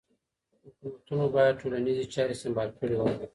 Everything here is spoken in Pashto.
حکومتونو باید ټولنیزې چارې سمبالې کړې وای.